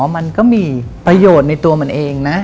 มันก็มีประโยชน์ในตัวมันเองนะ